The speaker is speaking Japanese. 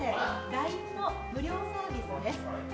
ＬＩＮＥの無料サービスです。